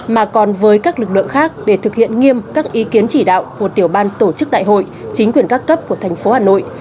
mà còn với các lực lượng khác để thực hiện nghiêm các ý kiến chỉ đạo của tiểu ban tổ chức đại hội chính quyền các cấp của thành phố hà nội